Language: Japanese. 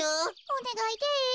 おねがいです。